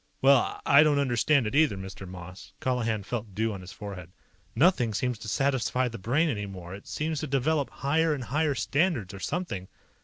"Well, I don't understand it either, Mr. Moss." Colihan felt dew on his forehead. "Nothing seems to satisfy the Brain anymore. It seems to develop higher and higher standards, or something.